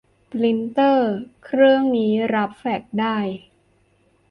ปรินเตอร์เครื่องนี้รับแฟกซ์ได้